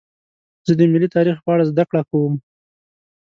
زه د ملي تاریخ په اړه زدهکړه کوم.